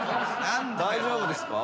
大丈夫ですか？